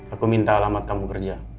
aku minta alamat kamu kerja